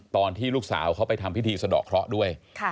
ตอนที่ลูกสาวเขาไปทำพิธีสะดอกเคราะห์ด้วย